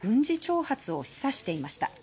追加の軍事挑発を示唆していました。